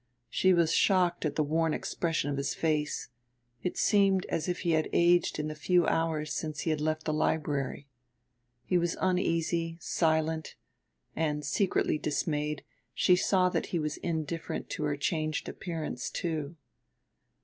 She was shocked at the worn expression of his face; it seemed as if he had aged in the few hours since he had left the library. He was uneasy, silent; and, secretly dismayed, she saw that he was indifferent to her changed appearance, too.